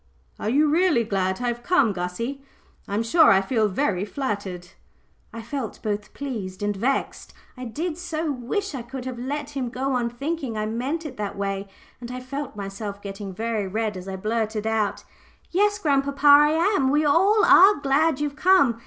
"Are you really glad I have come, Gussie? I'm sure I feel very flattered." I felt both pleased and vexed. I did so wish I could have let him go on thinking I meant it that way, and I felt myself getting very red as I blurted out "Yes, grandpapa, I am we are all glad you've come.